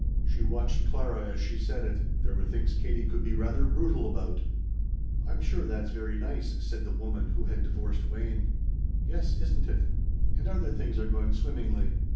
She watched Clara as she said it. There were things Katie could be rather brutal about. "I'm sure that's very nice," said the woman who had divorced Wayne. "Yes, isn't it? And other things are going swimmingly.